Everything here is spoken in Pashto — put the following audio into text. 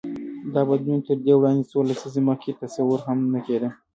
دا بدلون تر دې وړاندې څو لسیزې مخکې تصور هم نه کېده.